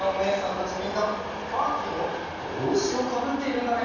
たちみんなパーティーのぼうしをかぶっているんだね！